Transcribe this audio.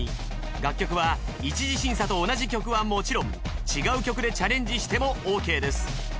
楽曲は一次審査と同じ曲はもちろん違う曲でチャレンジしてもオーケーです。